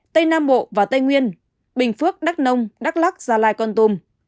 tây nam bộ và tây nguyên bình phước đắk nông đắk lắc gia lai con tùm